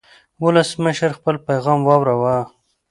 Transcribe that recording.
ولسمشر خپل پیغام واوراوه.